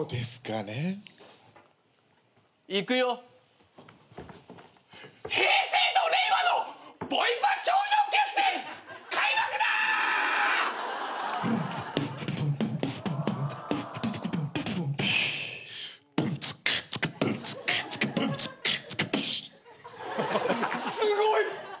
すごい。